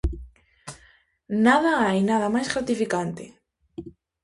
Nada hai nada máis gratificante.